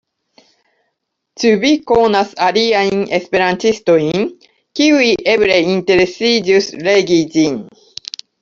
Ĉu vi konas aliajn esperantistojn, kiuj eble interesiĝus legi ĝin?